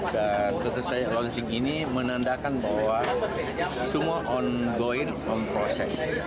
dan ketika saya lonsing ini menandakan bahwa semua ongoing memproses